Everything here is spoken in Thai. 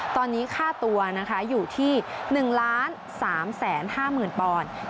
ตอนนี้ค่าตัวนะคะอยู่ที่๑๓๕๐๐๐ปอนด์